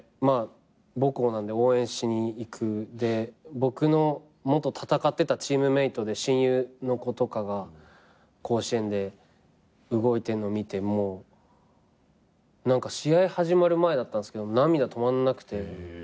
僕の元戦ってたチームメートで親友の子とかが甲子園で動いてんの見てもう試合始まる前だったんすけど涙止まんなくて。